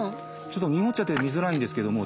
ちょっとにごっちゃって見づらいんですけども。